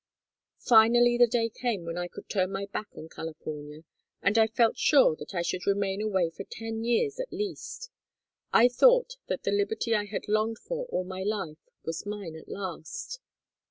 "Finally the day came when I could turn my back on California, and I felt sure that I should remain away for ten years at least. I thought that the liberty I had longed for all my life was mine at last.